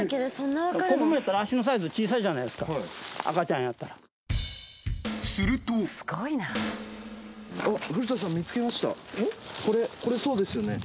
子供やったら足のサイズ小さいじゃないすか赤ちゃんやったらするとえっこれそうですよね？